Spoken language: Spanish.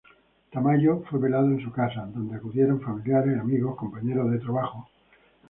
Tamayo fue velado en su casa en donde acudieron familiares, amigos, compañeros de trabajo.